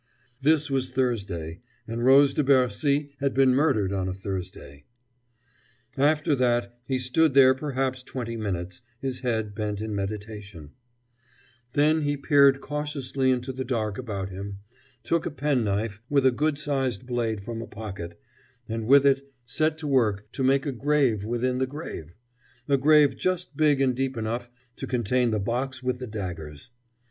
This was Thursday and Rose de Bercy had been murdered on a Thursday. [Illustration: Then from a breast pocket he took a little funnel of paper Page 219] After that he stood there perhaps twenty minutes, his head bent in meditation. Then he peered cautiously into the dark about him, took a penknife with a good sized blade from a pocket, and with it set to work to make a grave within the grave a grave just big and deep enough to contain the box with the daggers.